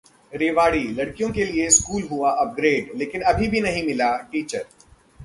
रेवाड़ी: लड़कियों के लिए स्कूल हुआ अपग्रेड, लेकिन अभी भी नहीं मिला टीचर